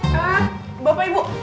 kak bapak ibu